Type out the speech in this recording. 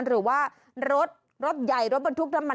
หรือว่ารถรถใหญ่รถบรรทุกน้ำมัน